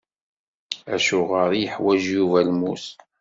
Acuɣer i yeḥwaǧ Yuba lmus?